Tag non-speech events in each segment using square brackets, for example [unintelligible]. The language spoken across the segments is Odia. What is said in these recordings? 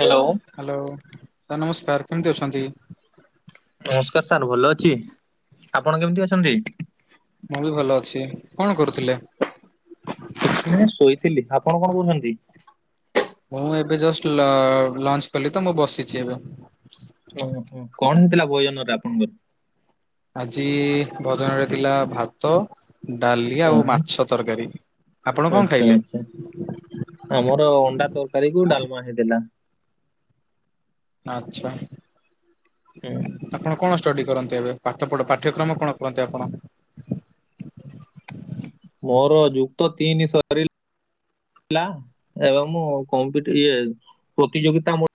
ହାଲୋ। ହାଲୋ ସାର ନମସ୍କାର। କେମିତି ଅଛନ୍ତି? ନମସ୍କାର ସାର୍ ଭଲ ଅଛି। ଆପଣ କେମିତି ଅଛନ୍ତି? ମୁଁ ବି ଭଲ ଅଛି। କଣ କରୁଥିଲେ? ମୁଁ ଶୋଇଥିଲି। ଆପଣ କଣ କରୁଛନ୍ତି? ମୁଁ ଏବେ ଜଷ୍ଟ ଲ-ଲଞ୍ଚ କଲି ତ ମୁଁ ବସିଛି ଏବେ। ଓ ହୋ। କଣ ହେଇଥିଲା ବୟନ ରେ ଆପଣଙ୍କର? ଆଜି ଭୋଜନରେ ଥିଲା ଭାତ। ଡାଲି ଆଉ ହଁ ମାଛ ତରକାରୀ। ଆପଣ କଣ ଆଚ୍ଛା ଖାଇଲେ? ଆଚ୍ଛା ଆମର ଅଣ୍ଡା ତରକାରୀ କୁ ଡାଲମା ହେଇଥିଲା। ଆଛା। ହୁଁ। ଆପଣ କଣ ଷ୍ଟଡି କରନ୍ତି ଏବେ? ପାଠ ପଢ ପାଠ୍ୟକ୍ରମ କଣ କରନ୍ତି ଆପଣ? ମୋର ଯୁକ୍ତ ତିନି ସରି [unintelligible] ମୁଁ [unintelligible] ଇଏ ପ୍ରତିଯୋଗିତା ମ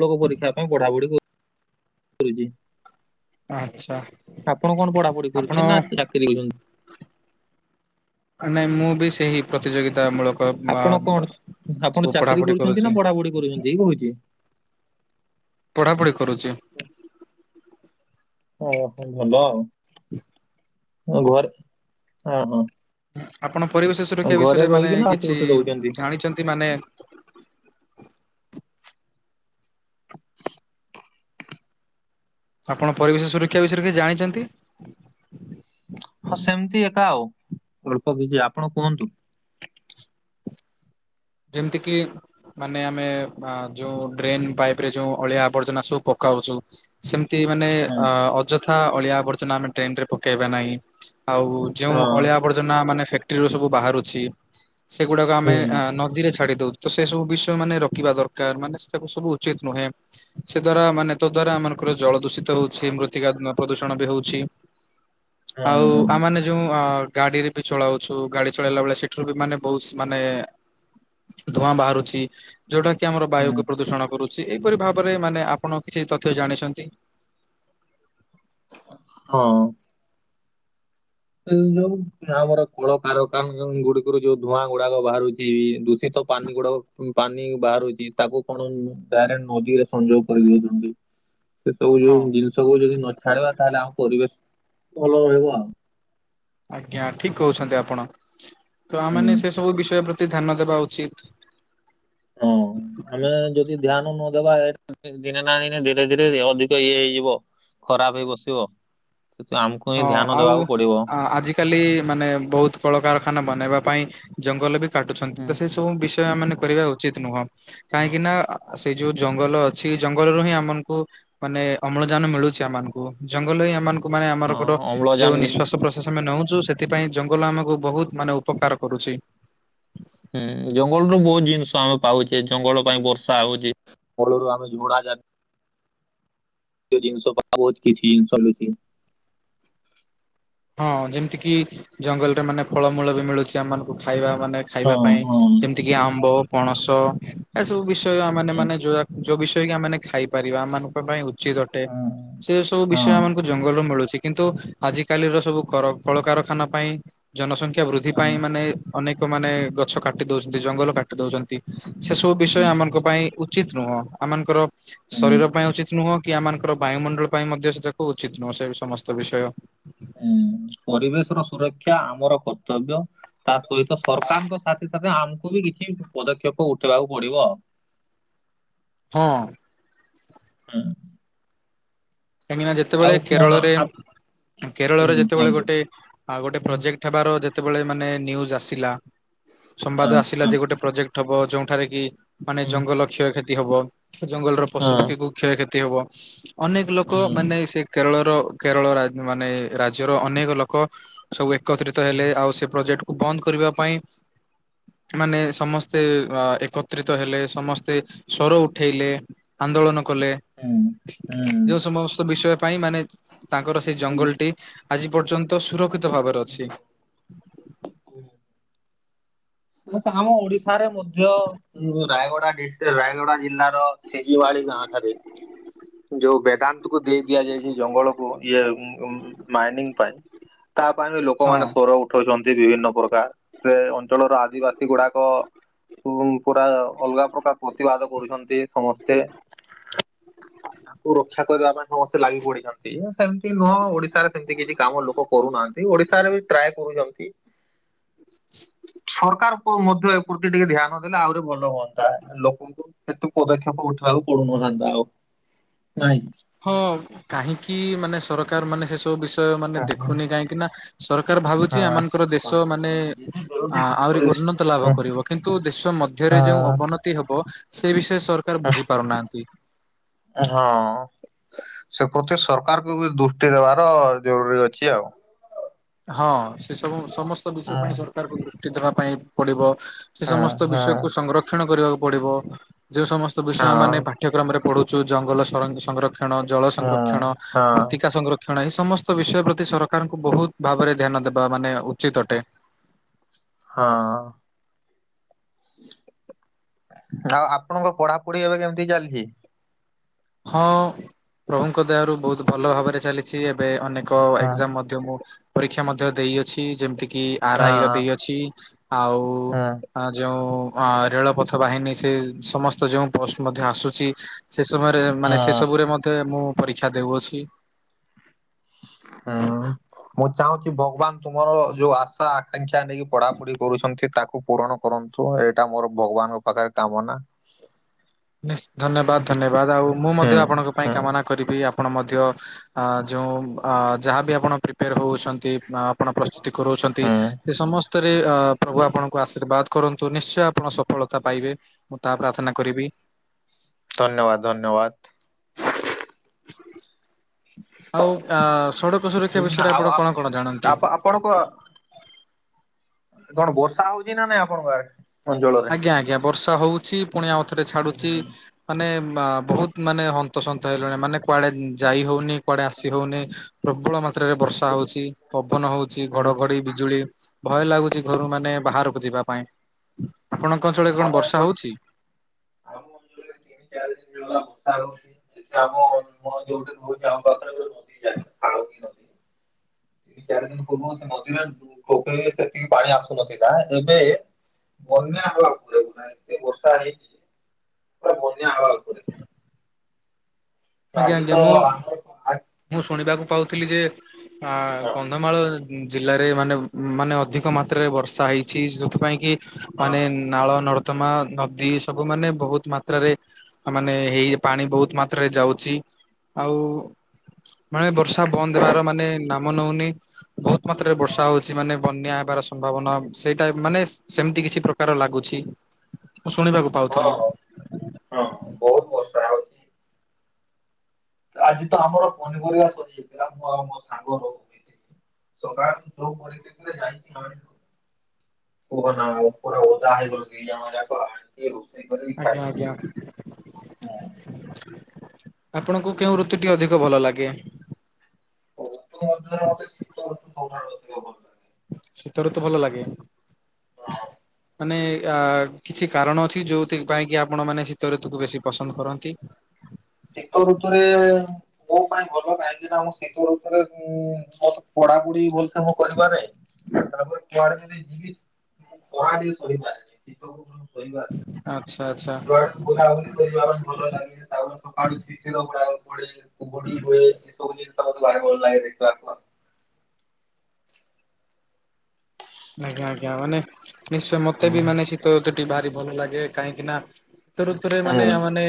ମୂଳକ ପରୀକ୍ଷା ପାଇଁ ପଢା ପଢି କରୁଛି। ଆଚ୍ଛା ଆପଣ କଣ ପଢାପଢି ଆପଣ କରୁଛନ୍ତି ନା ଚାକିରି? ନାଇଁ ମୁଁ ବି ସେହି ପ୍ରତିଯୋଗିତା ମୂଳକ ବା ଆପଣ କଣ? ସବୁ ଆପଣ ଚାକିରୀ ପଢାପଢି କରୁଛନ୍ତି କରୁଛି। ନା ପଢା ପଢି କରୁଛନ୍ତି କହୁଛି। ପଢାପଢ଼ି କରୁଛି। ଓ ହୋ ଭଲ ଆଉ। [inaudible] ମୁଁ ଘରେ, ହଁ ହଁ। ଆପଣ ପରିବେଶ ସୁରକ୍ଷା ଘରେ ବିଷୟରେ ମାନେ ରହିକି ନା ଆଉ କିଛି କୋଉଠି ରହୁଛନ୍ତି? ଜାଣିଛନ୍ତି ମାନେ ଆପଣ ପରିବେଶ ସୁରକ୍ଷା ବିଷୟରେ କିଛି ଜାଣିଛନ୍ତି? ହଁ ସେମିତି ଏକା, ଆଉ ଅଳ୍ପ କିଛି ଆପଣ କୁହନ୍ତୁ? ଯେମିତିକି ମାନେ ଆମେ ଯୋଉ ଡ୍ରେନ ପାଇପ ରେ ଯୋଉ ଅଳିଆ ଆବର୍ଜନା ସବୁ ପକାଉଛୁ। ସେମିତି ମାନେ ହଁ ଅ ଅଯଥା ଅଳିଆ ଆବର୍ଜନା ଆମେ ଟ୍ରେନ ରେ ପକେଇବା ନାହିଁ ଆଉ ଯେଉଁ ହଁ ଅଳିଆ ଆବର୍ଜନା ମାନେ ଫ୍ୟାକ୍ଟ୍ରିରୁ ସବୁ ବାହାରୁଛି, ସେଗୁଡ଼ାକ ଆମେ ହୁଁ ନ ଦିରେ ଛାଡି ଦଉ, ତ ସେ ସବୁ ବିଷୟ ମାନେ ରଖିବା ଦରକାର, ମାନେ ସେ ତାକୁ ସବୁ ଉଚିତ ନୁହେଁ। ସେ ଦ୍ଵାରା ମାନେ ତ ଦ୍ଵାରା ଆମମାନଙ୍କର ଜଳ ଦୂଷିତ ହଉଛି, ମୃତ୍ତିକା ପ୍ରଦୂଷଣ ବି ହଉଛି। ହୁଁ ଆଉ ହୁଁ ଆମାନେ ଯୋଉ ଅ ଗାଡିରେ ବି ଚଳାଉଛୁ, ଗାଡି ଚଳେଇଲା ବେଳେ, ସେଠରୁ ବି ମାନେ ବହୁତ ମାନେ ଧୂଆଁ ବାହାରୁଛି, ଯୋଉଟା କି ଆମର ହୁଁ ବାୟୁ କୁ ପ୍ରଦୂଷଣ କରୁଛି। ସେ ଏପରି ଭାବରେ ମାନେ ଆପଣ କିଛି ତଥ୍ୟ ଜାଣିଛନ୍ତି? ହଁ ଅଁ। ଯୋଉ ଆମର କଳ କାରଖାନା ଗୁଡିକରୁ ଯୋଉ ଧୂଆଁ ଗୁଡାକ ବାହାରୁଛି, ଦୂଷିତ ପାନି ଗୁଡାକ ପାନି ବାହାରୁଛି, ତାକୁ କଣ ଡାଇରେକ୍ଟ ନଦୀରେ ସଂଯୋଗ କରିଦଉଛନ୍ତି। ସେ ସବୁ ଯୋଉ ହଁ ଜିନିଷ କୁ ଯଦି ନଛାଡିବା, ତାହେଲେ ଆମ ପରିବେଶ ଭଲ ରହିବ ଆଉ। ଆଜ୍ଞା, ଠିକ କହୁଛନ୍ତି ଆପଣ, ତ ହୁଁ ଆମାନେ ସେ ସବୁ ବିଷୟ ପ୍ରତି ଧ୍ୟାନ ଦେବା ଉଚିତ୍। ହଁ, ଆମେ ଯଦି ଧ୍ୟାନ ନଦବା ଦିନେ ନା ଦିନେ ଧୀରେ ଧୀରେ ଅଧିକ ଇଏ ହେଇଯିବ, ଖରାପ ହେଇ ବସିବ। ସେତୁ ଆମକୁ ହଁ ହିଁ ଧ୍ୟାନ ଆଉ ଦବାକୁ ପଡିବ। ଆଜିକାଲି ମାନେ ବହୁତ କଳକାରଖାନା ବନାଇବା ପାଇଁ ଜଙ୍ଗଲ ବି କାଟୁଛନ୍ତି, ହୁଁ ତ ସେଇ ସବୁ ବିଷୟ ମାନେ କରିବା ଉଚିତ ନୁହଁ, ହଁ କାହିଁକି ନା ସେ ଯୋଉ ଜଙ୍ଗଲ ଅଛି, ଜଙ୍ଗଲରୁ ହିଁ ଆମ ମାନଙ୍କୁ ମାନେ ଅମ୍ଳଜାନ ମିଳୁଛି ଆମ ମାନଙ୍କୁ, ଜଙ୍ଗଲ ହିଁ ଆମ ମାନଙ୍କୁ ମାନେ ହଁ ଆମରଙ୍କର ଯୋଉ ଅମ୍ଳଜାନ ବି- ନିଶାସ ନିଶ୍ୱାସ ପ୍ରଶ୍ୱାସ ଆମେ ନେଉଛୁ, ସେଥିପାଇଁ ଜଙ୍ଗଲ ଆମକୁ ବହୁତ ମାନେ ଉପକାର କରୁଛି। ହୁଁ ଜଙ୍ଗଲରୁୁ ବହୁତ ଜିନିଷ ଆମେ ପାଉଛେ, ଜଙ୍ଗଲ ପାଇଁ ବର୍ଷା ହଉଛି। ପଳରୁ ଆମେ ଝୋଡ଼ା ଯା ଜିନିଷ ପା ବ କିଛି ଜିନିଷ ଲୁଚି ହଁ ଯେମିତି କି ଜଙ୍ଗଲରେ ମାନେ ଫଳମୂଳ ବି ମିଳୁଛି ଆମମାନଙ୍କୁ ଖାଇବା ମାନେ ହଁ ଖାଇବା ପାଇଁ, ହଁ ଯେମିତି କିି ଆମ୍ବ, ପଣସ ଏସବୁ ବିଷୟ ମାନେ ହଁ ମାନେ ଯୋ ଯୋଉ ବିଷୟ କି ଆମେ ଖାଇପାରିବା, ଆମମାନଙ୍କ ପାଇଁ ଉଚିତ ଅଟେ। ହଁ ସେ ସବୁ ବିଷୟ ଆମଙ୍କୁ ଜଙ୍ଗଲରୁୁ ମିଳୁଛି କିନ୍ତୁ ଆଜି କାଲିର ସବୁ କର କଳକାରଖାନା ପାଇଁ ଜନସଂଖ୍ୟା ବୃଦ୍ଧି ପାଇଁ ହଁ। ମାନେ, ଅନେକ ମାନେ ଗଛ କାଟି ଦଉଛନ୍ତି, ଜଙ୍ଗଲ କାଟି ଦଉଛନ୍ତି। ସେସବୁ ହୁଁ ବିଷୟ ଆମଙ୍କ ପାଇଁ ଉଚିତ ନୁହଁ, ଆମମାନଙ୍କର ହୁଁ ଶରୀର ପାଇଁ ଉଚିତ ନୁହଁ। କି ଆମମାନଙ୍କର ବାୟୁମଣ୍ଡଳ ପାଇଁ ମଧ୍ୟ ସେ [unintelligible] ଉଚିତ ନୁହେଁ ସେ ସମସ୍ତ ବିଷୟ। ଉଁ, ପରିବେଶର ସୁରକ୍ଷା ଆମର କର୍ତ୍ତବ୍ୟ। ତା ସହିତ ସରକାରଙ୍କ ସାଥି ସାଥିେ ଆମକୁ ବି କିଛି ପଦକ୍ଷେପ ଉଠେଇବାକୁ ପଡିବ ଆଉ। ହଁ। ହୁଁ। କାହିଁକି ନା ଯେତେବେଳେ ଆଉ କଣ କେରଳରେ ଆପ କେରଳରେ ହୁଁ ଯେତେବେଳେ କୁହନ୍ତୁ। ଗୋଟେ ଗୋଟେ ହୁଁ ପ୍ରୋଜେକ୍ଟ ଉଠବାର ଯେତେବେଳେ ମାନେ ନିଉଁଯୁ ଆସିଲା ସମ୍ବାଦ ହଁ ଆସିଲା ହଁ ଯେ ଗୋଟେ ପ୍ରୋଜେକ୍ଟ ହବ ଯୋଉଠାରେ କି ମାନେ ହୁଁ ଜଙ୍ଗଲ କ୍ଷୟକ୍ଷତି ହବ ଜଙ୍ଗଲର ହଁ ପଶୁପକ୍ଷୀକୁ କ୍ଷୟକ୍ଷତି ହବ ଅନେକ ଲୋକ ହୁଁ। ମାନେ ସେ କେରଳର କେରଳ ରା ମାନେ ରାଜ୍ୟର ଅନେକ ଲୋକ ସବୁ ଏକତ୍ରିତ ହେଲେ ଆଉ ସେ ପ୍ରୋଜେକ୍ଟ କୁ ବନ୍ଦ କରିବା ପାଇଁ ମାନେ ସମସ୍ତେ ଏକତ୍ରିତ ହେଲେ ସମସ୍ତେ ସ୍ୱର ଉଠେଇଲେ ଆନ୍ଦୋଳନ କଲେ ହୁଁ ହୁଁ। ଯେଉଁ ସମସ୍ତ ବିଷୟ ପାଇଁ ମାନେ ତାଙ୍କର ସେଇ ଭାଇ ଜଙ୍ଗଲଟି ଆଜି ପର୍ଯ୍ୟନ୍ତ ସୁରକ୍ଷିତ ଭାବରେ ଅଛି। ଆମ ଓଡିଶାରେ ମଧ୍ୟ ରାୟଗଡା ଡିଷ୍ଟ୍ରିକ୍ଟ ରାୟଗଡା ଜିଲ୍ଲା ସିଜିୱଳି ଗାଁ ଠାରେ ଯୋଉ ବେଦାନ୍ତ କୁ ଦେଇ ଦିଆଯାଇଛି ଜଙ୍ଗଲକୁ ଇଏ ମାଇନିଂ ପାଇଁ। ତା ପାଇଁ ବି ହଁ। ଲୋକମାନେ ସ୍ୱର ଉଠଉଛନ୍ତି ବିଭିନ୍ନ ପ୍ରକାର ସେ ଅଞ୍ଚଳର ଆଦିବାସୀ ଗୁଡାକ କୁ ପୁରା ଅଲଗା ପ୍ରକାର ପ୍ରତିବାଦ କରୁଛନ୍ତି ସମସ୍ତେ। ତାକୁ ରକ୍ଷା କରିବା ପାଇଁ ସମସ୍ତେ ଲାଗି ପଡିଛନ୍ତି ସେମତି କି ନୁହଁ ଓଡିଶାରେ ସେମତି କିଛି କାମ ଲୋକ କରୁନାହାନ୍ତି। ଓଡିଶାରେ ବି ଟ୍ରାଏ କରୁଛନ୍ତି। ସର ସକାର ମଧ୍ୟ ଏ ପ୍ରତି ଟିକେ ଧ୍ୟାନ ଦେଲେ ଆହୁରି ଭଲ ହୁଅନ୍ତା। ଲୋକ ଏତେ ପଦକ୍ଷେପ ଉଠିବାକୁ ପଡୁନଥାନ୍ତା ଆଉ ନାଇଁ ହଁ କାହିଁକି ମାନେ ସରକାର ମାନେ ସେ ସବୁ ବିଷୟ ମାନେ ହଁ ଦେଖୁନି କାହିଁକି ନା ସରକାର ଭାବୁଛି ଏମାନଙ୍କର ଦେଶ ମାନେ ଆ ଆହୁରି ଉନ୍ନତ ଲାଭ କରିବ କିନ୍ତୁ ଦେଶ ମଧ୍ୟରେ ଯୋଉ ଅବନତି ତୀ ହବ ସେ ବିଷୟ ସରକାର ବୁଝି ପାରୁନାହାନ୍ତି। ହଁ। ସେ ପ୍ରତି ସରକାରକୁ ବି ଦୃଷ୍ଟି ଦେବାର ଜରୁରୀ ଅଛି ଆଉ। ହଁ ସେ ସବୁ ସମସ୍ତ ବିଷୟ ହଁ ପାଇଁ ସରକାରକୁ ଦୃଷ୍ଟି ଦେବା ପାଇଁ ପଡିବ ସେ ହଁ ସମସ୍ତ ବିଷୟକୁ ହଁ ସଂଗକ୍ଷଣ କରିବାକୁ ପଡିବ ଯେଉ ସମସ୍ତ ବିଷୟ ଆ ମାନେ ପାଠ୍ୟକ୍ରମରେ ପଢୁଛୁ ଜଙ୍ଗଲ, ସଂରକ୍ଷଣ ଜଳ ହଁ ସଂରକ୍ଷଣ, ହଁ ମୃତ୍ତିକା ସଂରକ୍ଷଣ। କ୍ଷଣ ଏଇ ସମସ୍ତ ବିଷୟ ପ୍ରତି ସରକାରଙ୍କୁ ବହୁତ ଭାବରେ ଧ୍ୟାନ ଦେବା ମାନେ ଉଚିତ ଅଟେ। ହଁ। ଆଉ ଆପଣଙ୍କ ପଢାପଢି ଏବେ କେମିତି ଚାଲିଛି? ହଁ ପ୍ରଭୁଙ୍କ ଦୟାରୁ ବହୁତ ଭଲ ଭାବରେ ଚାଲିଛି ଏବେ ଅନେକ ହଁ ଏକ୍ସାମ୍ ମୁଁ ପରୀକ୍ଷା ମଧ୍ୟ ଦେଇଅଛି ଯେମିତି କି ଆର ହଁ ଆଇ ର ଦେଇଅଛି ଆଉ ହଁ ଯେଉଁ ହଁ ରେଳପଥ ବାହିନୀ ସେ ସମସ୍ତ ଯେଉଁ ପୋଷ୍ଟ ମଧ୍ୟ ଆସୁଛି ସେ ସମୟରେ ମାନେ ସେ ହଁ। ସବୁରେ ମତେ ମୁଁ ପରୀକ୍ଷା ଦେଉଅଛି। ହଁ। ମୁଁ ଚାହୁଁଛି ଭଗବାନ ତୁମର ଯୋଉ ଆଶା ଆକାଂକ୍ଷା ନେଇକି ପଢାପଢି କରୁଛନ୍ତି ତାକୁ ପୂରଣ କରନ୍ତୁ ଏଇଟା ମୋର ଭଗବାନଙ୍କ ପାଖରେ କାମନା। ନି ଧନ୍ୟବାଦ ଧନ୍ୟବାଦ ଆଉ ହୁଁ ମୁଁ ମଧ୍ୟ ଆପଣଙ୍କ ପାଇଁ ହୁଁ କାମନା କରିବି ଆପଣ ମଧ୍ୟ ଆ ଯୋଉଁ ଆ ଯାହାବି ଆପଣ ପ୍ରିପେୟାର ହୋଉଛନ୍ତି ଆ ଆପଣ ପ୍ରସ୍ତୁତି କରାଉଛନ୍ତି ହୁଁ ସେ ସମସ୍ତ ରେ ପ୍ରଭୁ ଆପଣଙ୍କୁ ଆଶୀର୍ବାଦ କରନ୍ତୁ ନିଶ୍ଚୟ ଆପଣ ସଫଳତା ପାଇବେ। ତା ପ୍ରାର୍ଥନା କରିବି। ଧନ୍ୟବାଦ ଧନ୍ୟବାଦ। ଆଉ ଆ ସଡ଼କ ସୁରକ୍ଷା ହୁଁ ବିଷୟରେ ଆଉ ଆପଣ ଆପ କଣ କଣ ଜାଣନ୍ତି? ଆପ ଆପଣଙ୍କ କଣ ବର୍ଷା ହଉଛି ନା ନାଇଁ ଆପଣଙ୍କ ଆରେ? ଆଜ୍ଞା ଆଜ୍ଞା। ବର୍ଷା ହଉଛି ଫୁଣି ଆଉଥରେ ଛାଡୁଛି ମାନେ ବୋହୁତ୍ ମାନେ ହନ୍ତସନ୍ତ ହେଲୁଣି, ମାନେ କୁଆଡେ ଯାଇ ହଉନି କୁଆଡେ ଆସି ହଉନି ପ୍ରବଳ ମାତ୍ରାରେ ବର୍ଷା ହଉଛି। ପବନ ହଉଛି ହୁଁ ଘଡଘଡି ବିଜୁଳି, ଭୟ ଲାଗୁଛି ଘରୁ ମାନେ ବାହାରକୁ ଯିବା ପାଇଁ। ଆପଣ ସମୟ ହଁ [unintelligible] [unintelligible] ଚାରି ଦିନ ପୂର୍ବରୁ ସେ ନଦୀରେ ଲୋକେଇ ସେତିକି ପାଣି ଆସୁନଥିଲା ଏବେ ବନ୍ୟା ହବା ଉପରେ ନା ଏ ବର୍ଷା ହେଇଛି, ପୁରା ବନ୍ୟା ହବା ଉପରେ ଆଜ୍ଞା ଆଜି ଆଜ୍ଞା। ତ ମୁଁ, ଆମର ମୁଁ ଶୁଣିବାକୁ ପାଉଥିଲି ଯେ କନ୍ଧମାଳ ଜିଲ୍ଲାରେ ମାନେ ମାନେ ଅଧିକ ମାତ୍ରାରେ ବର୍ଷା ହେଇଛି। ଯେଉଥିପାଇଁ କି ଆ ମାନେ ହଁ ନାଳ ନର୍ଦ୍ଦମା ନଦୀ ସବୁ ମାନେ ବୋହୁତ୍ ମାତ୍ରାରେ ମାନେ ହେଇ ପାଣି ବୋହୁତ୍ ମାତ୍ରାରେ ଯାଉ ସେ ଆଉ ମାନେ ବର୍ଷା ବନ୍ଦ ହେବାର ମାନେ ନାମ ନଉନି ବୋହୁତ୍ ମାତ୍ରାରେ ବର୍ଷା ହଉଛି ମାନେ ବନ୍ୟା ହେବାର ସମ୍ଭାବନା ସେଇଟା ମାନେ ସେମିତି କିଛି ପ୍ରକାର ଲାଗୁଛି। ମୁଁ ଶୁଣିବାକୁ ହଁ ପାଉଥିଲି। ହଁ ହଁ ବୋହୁତ୍ ବର୍ଷା ହଉଛି। ଆଜି ତ ଆମର ପନିପରିବା ସରିଯାଇଥିଲା। ମୁଁ ଆଉ ମୋ ସାଙ୍ଗ ର ସକାଳ ଯୋଉ ପରିସ୍ତିତିରେ ଜାଇଛୁ କୁହନା ପୁରା ଓଧା ହେଇ ଗଲୁ ଦି ଜଣ ଯାକ। ରୋଷେଇ କରିକି ଆଜ୍ଞା ଖାଇଲୁ ପୁଣି। ଆଜ୍ଞା। ଆପଣଙ୍କୁ କେଉଁ ଋତୁଟି ଅଧିକ ଭଲ ଲାଗେ? ରୁତୁ ମଧ୍ୟରେ ମତେ ଶୀତ ରୁତୁ ସବୁଠାରୁ ଅଧିକ ଭଲ ଲାଗେ। ଶୀତା ରୁତୁ ଭଲ ଲାଗେ? ହଁ ମାନେ ଆ କିଛି କାରଣ ଅଛି ଯୋଉଥିପାଇଁ କି ଆପଣ ମାନେ ଶୀତ ଋତୁକୁ ବେଶୀ ପସନ୍ଦ କରନ୍ତି? ଶୀତ ଋତୁରେ ମୋ ପାଇଁ ଭଲ, କାହିଁକି ନା ମୁ ଶୀତ ଋତରେ ମୁଁ ମତେ ପଢାପଢି ଭଲ ମ କରିବାରେ ତାପରେ କୁଆଡେ ଯଦି ଯିବି, ମୁଁ କୁଆଡେ ଶୋଇପାରେନି ଶୀତ ହୋ ଆଚ୍ଛା ଆଚ୍ଛା ଯୁଆଡେ ବୁଲାବୁଲି କରିବା ପାଇଁ ଭଲ ଲାଗେ। ତାପରେ ସକାଳୁ ଶିସିିର ଗୁଡାକ ପଡେ କୁହୁଡ଼ି ହୁଏ। ଏ ସବୁ ଜିନିଷ ଭାରି ଭଲ ଲାଗେ ଦେଖିବାକୁ ଆଉ। ଆଜ୍ଞା ଆଜ୍ଞା। ମାନେ ନିଶ୍ଚୟ ମତେ ହୁଁ ବି ମାନେ ଶୀତ ଋତୁଟି ଭାରି ଭଲ ଲାଗେ। କାହିଁକି ନା ଶୀତ ଋତୁରେ ହୁଁ ମାନେ ମାନେ,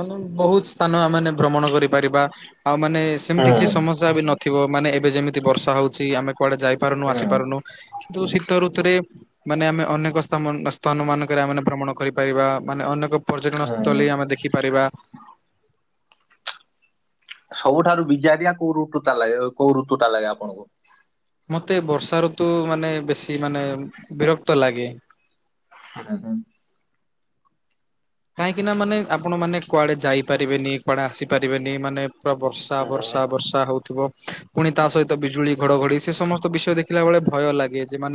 ମାନେ ବୋହୁତ୍ ସ୍ଥାନ ମାନେ ଭ୍ରମଣ କରିପାରିବା। ଆଉ ମାନେ ସେମିତି କିଛି ସମସ୍ୟା ବି ନଥିବ। ମାନେ ଏବେ ଯେମିତି ବର୍ଷା ହେଉଛି ଆମେ କୁଆଡ଼େ ଯାଇପାରୁନୁ ହୁଁ ଆସିପାରୁନୁ କିନ୍ତୁ ଶୀତ ଋତୁରେ ମାନେ ଆମେ ଅନେକ ସ୍ଥାମନ, ସ୍ଥାନ ମାନଙ୍କରେ ଆମେ ଭ୍ରମଣ କରିପାରିବା। ମାନେ ଅନେକ ପର୍ଯ୍ୟଟନ ହୁଁ। ସ୍ଥଳୀ ଆମେ ଦେଖିପାରିବା। ସବୁଠାରୁ ବିଜା ଦିଆ କୋଉ ଋତୁତା ଲାଗେ କୋଉ ଋତୁ ଟା ଲାଗେ ଆପଣଙ୍କୁ? ମତେ ବର୍ଷା ଋତୁ ମାନେ ବେଶୀ ମାନେ ବିରକ୍ତ ଲାଗେ। ହୁଁ। କାହିଁକି ନା, ମାନେ ଆପଣ ମାନେ କୁଆଡେ ଯାଇପାରିବେନି, କୁଆଡେ ଆସିପାରିବେନି, ମାନେ ପୁରା ବର୍ଷ ବର୍ଷା, ହୁଁ ବର୍ଷା, ବର୍ଷା ହଉଥିବ। ପୁଣି ତା ସହିତ ବିଜୁଳି, ଘଡଘଡି ସେ ସମସ୍ତ ବିଷୟ ଦେଖିଲା ବେଳେ ଭୟ ଲାଗେ। ଯେ ମାନ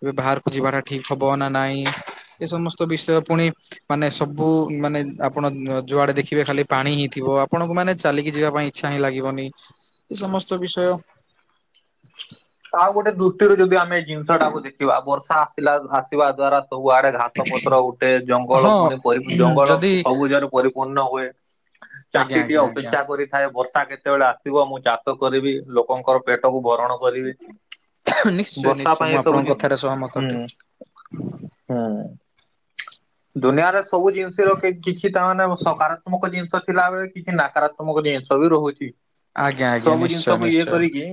ଏବେ ବାହାର ମୁଁ ଜିବାଟା ଠିକ୍ ହବ ନା ନାଇଁ। ଏ ସମସ୍ତ ବିଷୟ ପୁଣି ମାନେ ସବ ସବୁ ମାନେ ଆପଣ ଯୁଆଡେ ଦେଖିବେ ଖାଲି ପାଣି ହିଁ ଥିବ, ଆପଣଙ୍କୁ ମାନେ ଚାଲିକି ଯିବା ପାଇଁ ଇଚ୍ଛା ହିଁ ଲାଗିବନି। ଏ ସମସ୍ତ ବିଷୟ ଆଉ ଗୋଟେ ଦୃଷ୍ଟିରୁ ଯଦି ଆମେ ଏଇ ଜିନିଷ ଟାକୁ ଦେଖିବା, ବର୍ଷା ଆସିଲା ଆସିବା ଦ୍ଵାରା ସବୁ ଆଡେ ଘାସ ପତ୍ର ଉଠେ। ଜଙ୍ଗଲ ହଁ ପୁଣି ଜଙ୍ଗଲ ଯଦି ସବୁ ଜରେ ପରିପୂର୍ଣ୍ଣ ହୁଏ। ଆଜ୍ଞା ଚାଷୀ ଟିଏ ଆଜ୍ଞା ଆଜ୍ଞା ଅପେକ୍ଷା କରିଥାଏ ବର୍ଷା କେତେବେଳେ ଆ ଥିବ ମୁଁ ଚାଷ କରିବି ଲୋକଙ୍କର ପେଟକୁ ଭରଣ କରିବି। ନିଶ୍ଚୟ ବର୍ଷା ନିଶ୍ଚୟ ପାଇଁ ମୁଁ ଏସବୁ ଆପଣଙ୍କ ଜିନ୍ କଥାରେ ସହମତ ଅଟେ। ହୁଁ। ହୁଁ। ଦୁନିଆରେ ସବୁ ଜିନିଷ ର କିଛି ତା ମାନେ ସକାରାତ୍ମକ ଜିନିଷ ଥିଲାବେଳେ କିଛି ନକାରାତ୍ମକ ଜିନିଷ ବି ରହୁଚି ଆଜ୍ଞା ଆଜ୍ଞା ସବୁ ନିଶ୍ଚୟ ଜିନିଷକୁ ଇଏ ନିଶ୍ଚୟ କରିକି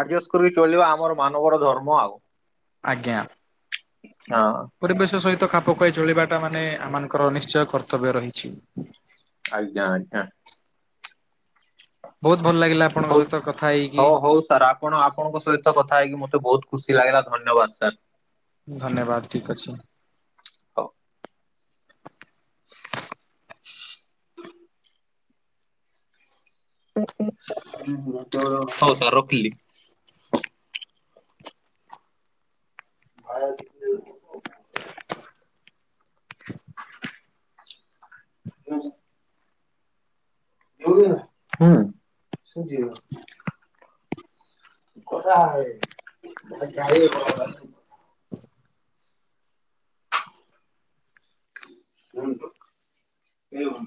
ଆଡ଼ଜେଷ୍ଟ କରିକି ଚଳିବା ଆମର ମାନବର ଧର୍ମ ଆଉ। ଆଜ୍ଞା। ହଁ। ପରିବେଶ ସହିତ ଖାପ ଖାଇ ଚଳିବାଟା ମାନେ ଆମନଙ୍କର ନିଶ୍ଚୟ କର୍ତ୍ତବ୍ୟ ରହିଚି। ଆଜ୍ଞା ଆଜ୍ଞା। ବହୁତ୍ ଭଲ ଲାଗିଲା ଆପଣଙ୍କ ହଉ ସହିତ କଥା ହେଇକି ହଉ ହଉ ସାର୍ ଆପ୍ ପଣ ଆପଣଙ୍କ ସହିତ କଥା ହେଇକି ମତେ ବହୁତ୍ ଖୁସି ଲାଗିଲା ଧନ୍ୟବାଦ ସାର୍। ଧନ୍ୟବାଦ ଠିକ୍ ଅଛି। ହଉ। [inaudible] ହଉ ସାର୍ ରଖିଲି? ଭାରତ୍ [inaudible] ହୁଁ। ହୁଁ। କଥା ହେବେ ମୁଁ କଇଲି ଗାଇଲୁ କଣପାଇଁ। କୁହନ୍ତୁ ନିଅଁ।